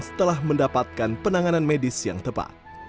setelah mendapatkan penanganan medis yang tepat